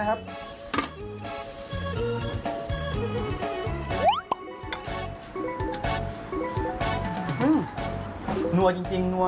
เลยเสร็จแล้วก็ต้องชิมนะครับ